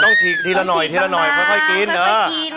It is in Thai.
ต้องฉีกที่ละหน่อยเพื่อค่อยกิน